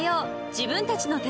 自分たちの手で］